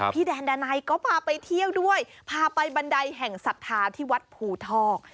แดนดานัยก็พาไปเที่ยวด้วยพาไปบันไดแห่งศรัทธาที่วัดภูทอก